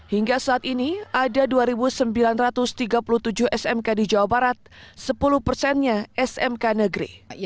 hingga saat ini ada dua sembilan ratus tiga puluh tujuh smk di jawa barat sepuluh persennya smk negeri